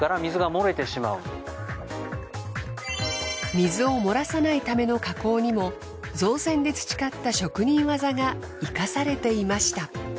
水を漏らさないための加工にも造船で培った職人技が生かされていました。